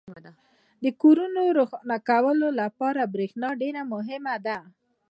• د کورونو روښانه کولو لپاره برېښنا ډېره مهمه ده.